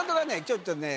ちょっとね